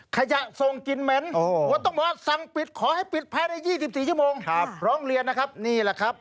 ส่งกลิ่นเหม็นว่าต้องบอกว่าสั่งปิดขอให้ปิดภายใน๒๔ชั่วโมงร้องเรียนนะครับนี่แหละครับ